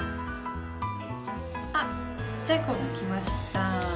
ちっちゃい子が来ました。